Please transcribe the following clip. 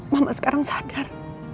mama sekarang sadar